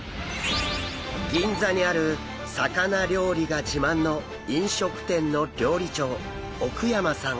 銀座にある魚料理が自慢の飲食店の料理長奥山さん。